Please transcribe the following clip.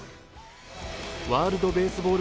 ワールドベースボール